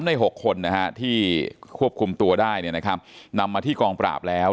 ใน๖คนที่ควบคุมตัวได้นำมาที่กองปราบแล้ว